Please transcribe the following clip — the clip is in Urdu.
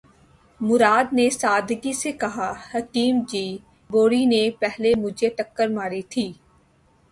مراد نے سادگی سے کہا:”حکیم جی! بھوری نے پہلے مجھے ٹکر ماری تھی۔